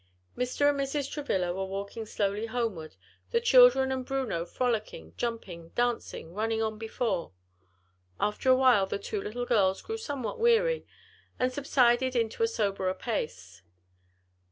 Mr. and Mrs. Travilla were walking slowly homeward, the children and Bruno frolicking, jumping, dancing, running on before. After a while the two little girls grew somewhat weary, and subsided into a soberer pace.